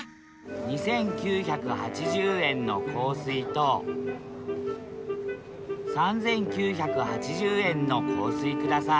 ２，９８０円の香水と３，９８０円の香水ください